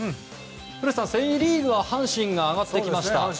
古田さん、セ・リーグは阪神が上がってきました。